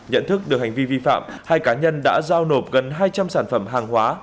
nhận thức được hành vi vi phạm hai cá nhân đã giao nộp gần hai trăm linh sản phẩm hàng hóa